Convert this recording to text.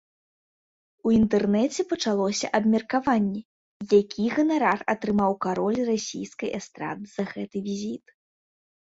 У інтэрнэце пачалося абмеркаванне, які ганарар атрымаў кароль расійскай эстрады за гэты візіт.